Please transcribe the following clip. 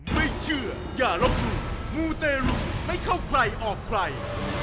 ไม่เชื่ออย่าลบหลู่มูเตรุไม่เข้าใครออกใคร